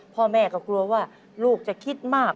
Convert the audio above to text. พ่อแม่ก็กลัวว่าลูกจะคิดมาก